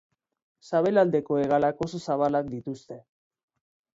Sabelaldeko hegalak oso zabalak dituzte.